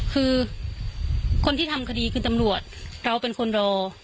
คือคนที่ทำคดีคือตำรวจเราเป็นคนรอ